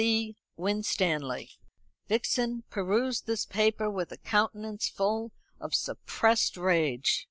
"C. WINSTANLEY." Vixen perused this paper with a countenance full of suppressed rage.